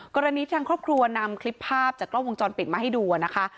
กรณีทางครอบครัวนำคลิปภาพจากกล้องวงจรปิดมาให้ดูนะคะ